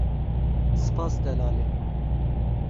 Spas, delalê.